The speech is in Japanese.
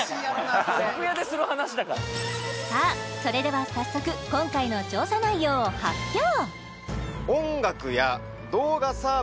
さあそれでは早速今回の調査内容を発表